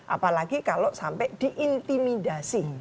apalagi kalau sampai diintimidasi